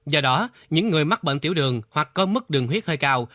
do đó những người mắc bệnh tiểu đường hoặc có mức đường huyết hơi cao